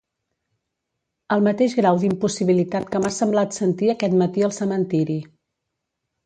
El mateix grau d'impossibilitat que m'ha semblat sentir aquest matí al cementiri.